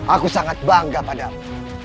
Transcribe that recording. aku sangat bangga padamu